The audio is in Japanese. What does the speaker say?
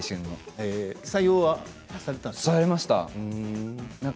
採用されたんですか？